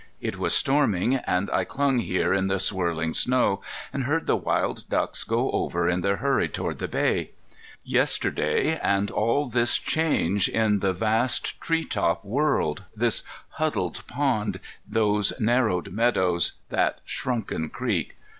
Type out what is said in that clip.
It was storming, and I clung here in the swirling snow and heard the wild ducks go over in their hurry toward the bay. Yesterday, and all this change in the vast treetop world, this huddled pond, those narrowed meadows, that shrunken creek!